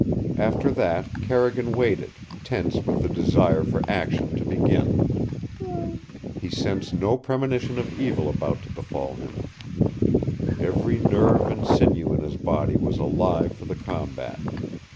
After that Carrigan waited, tense with the desire for action to begin. He sensed no premonition of evil about to befall him. Every nerve and sinew in his body was alive for the combat.